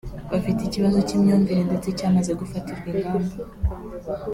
bafite ikibazo cy’imyumvire ndetse cyamaze gufatirwa ingamba